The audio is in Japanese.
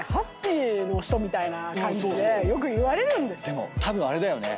でもたぶんあれだよね。